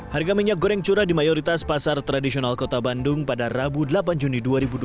harga minyak goreng curah di mayoritas pasar tradisional kota bandung pada rabu delapan juni dua ribu dua puluh